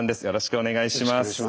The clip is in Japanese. よろしくお願いします。